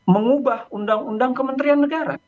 mengubah undang undang kementerian negara